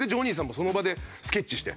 もうその場でスケッチして。